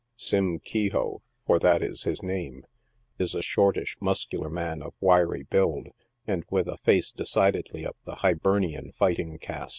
Sim Kehoe — for that is his name — is a shortish, muscular man, of wiry build, and with a face decidedly of the Hibernian fighting cast.